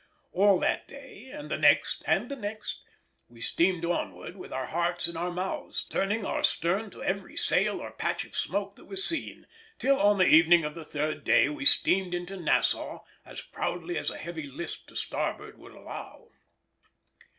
All that day, and the next and the next, we steamed onward with our hearts in our mouths, turning our stern to every sail or patch of smoke that was seen, till, on the evening of the third day, we steamed into Nassau as proudly as a heavy list to starboard would allow.